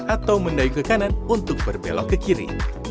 atau mendayung ke kanan untuk berbelok ke kiri